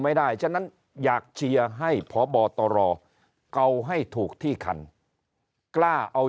ได้ฉะนั้นอยากเชียร์ให้พบตรเกาให้ถูกที่คันกล้าเอา